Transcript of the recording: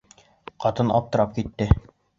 Ҡатын аптырап китте.